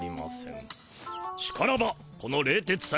しからばこの冷徹斎